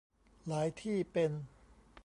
หลายที่เป็น